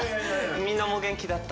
みんなも元気だった？